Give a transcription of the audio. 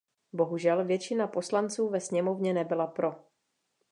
Bohužel, většina poslanců ve sněmovně nebyla pro.